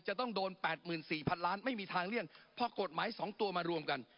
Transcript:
จะต้องโดน๘๔๐๐๐ล้านไม่มีทางเลี่ยงพอกฎหมาย๒ตัวมารวมกัน